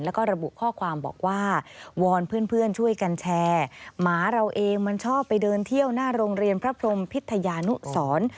แล้วก็ระบุข้อความบอกว่าวอนเพื่อนช่วยกันแชร์หมาเราเองมันชอบไปเดินเที่ยวหน้าโรงเรียนพระพรมพิทยานุสร